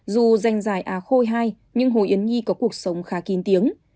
dù danh dài à khôi hai nhưng hồ yến nhi có cuộc sống khá kín tiếng